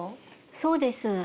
そうです。